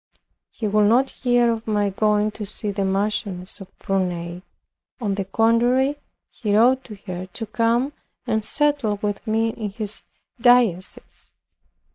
He would not hear of my going to see the Marchioness of Prunai. On the contrary, he wrote to her to come and settle with me in his diocese.